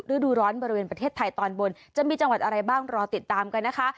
ฤดูร้อนบริเวณประเทศไทยตอนบนจะมีจังหวัดอะไรบ้างรอติดตามกันนะคะ